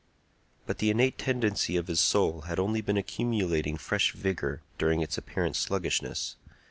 But the innate tendency of his soul had only been accumulating fresh vigor during its apparent sluggishness.